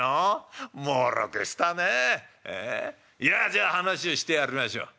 じゃあ話をしてやりましょう。